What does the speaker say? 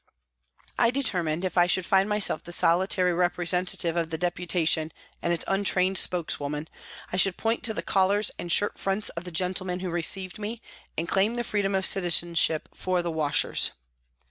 I determined, if I should find myself the solitary representative of the Deputation and its untrained spokeswoman, I should point to the collars and shirt fronts of the gentlemen who received me and claim the freedom of citizenship for the washers.